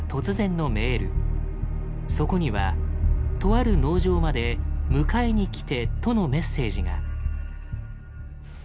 そこにはとある農場まで「迎えにきて」とのメッセージが。